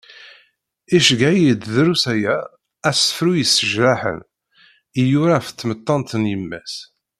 Iceyyeε-iyi-d, drus aya, asefru yessejraḥen i yura af tmettant n yemma-s.